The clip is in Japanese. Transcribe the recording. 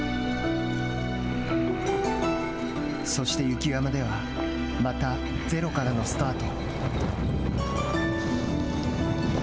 そして雪山ではまたゼロからのスタート。